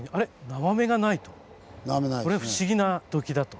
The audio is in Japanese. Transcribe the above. これ不思議な土器だと。